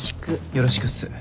よろしくっす。